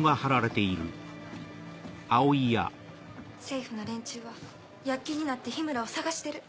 政府の連中は躍起になって緋村を捜してる。